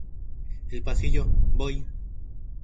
El pasillo 'boy'!